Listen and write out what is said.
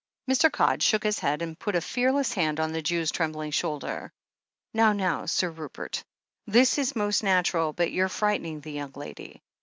Mr. Codd shook his head, and put a fearless hand on the Jew's trembling shoulder. "Now, now, Sir Rupert. This is most natural, but you're frightening the young lady.